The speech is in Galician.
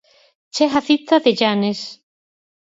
Chega á cita de Llanes.